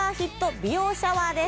美容シャワーです